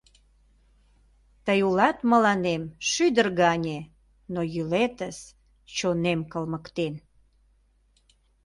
Тый улат мыланем шӱдыр гане, но йӱлетыс чонем кылмыктен.